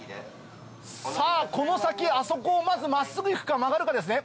さぁこの先あそこをまず真っすぐ行くか曲がるかですね。